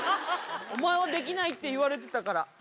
「お前はできない」って言われてたから。